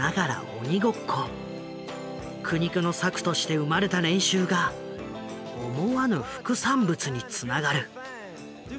苦肉の策として生まれた練習が思わぬ副産物につながる。